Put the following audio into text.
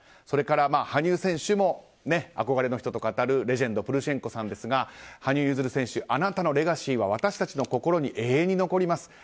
それから羽生選手も憧れの人と語るレジェンドプルシェンコさんですが羽生結弦選手あなたのレガシーは私たちの心に永遠に残ります。